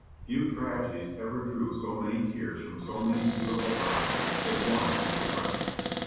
"Few tragedies ever drew so many tears from so many beautiful eyes," said one who was present.